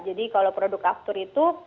jadi kalau produk aktur itu